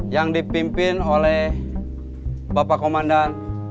yang dipimpin oleh bapak komandan